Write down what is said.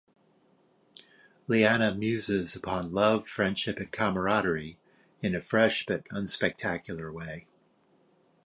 Lianna muses upon love, friendship, and camaraderie in a fresh but unspectacular way.